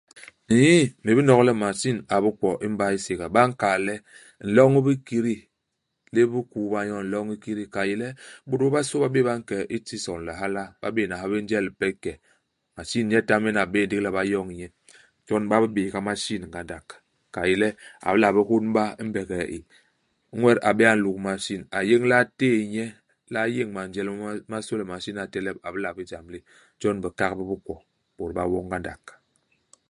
Nn, me binok le masin a bikwo i mbay Séga. Ba nkal le, nloñ u bikidi. Lép u bikuuba nyoo, nloñ u kidi, ka i yé le ibôt bobasô ba bé'é ba nke i tison i Lihala, ba bé'éna ha bé njel ipe i ke. Masin nyetama nyen a bé'é ndigi le ba yoñ nye. Jon ba bibééga masin ngandak, ka i yé le a bila ha bé hônba i mbegee i. Iñwet a bé'é a nluk masin, a yéñ le a téé nye, le a nyéñ manjel moma masô le masin a telep, a bila bé ijam li. Jon bibak bi bikwo, bôt ba wo ngandak.